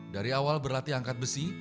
dari awal berlatih angkat besi